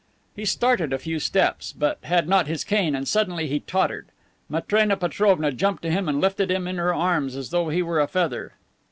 He started a few steps, but had not his cane and suddenly he tottered. Matrena Petrovna jumped to him and lifted him in her arms as though he were a feather.